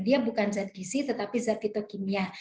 dia bukan zat gizi tetapi zat kitokimia